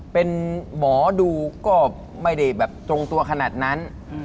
เป็นหมอดูก็ไม่ได้แบบตรงตัวขนาดนั้น